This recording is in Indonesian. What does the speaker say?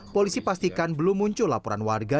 polisi pastikan belum muncul laporan warga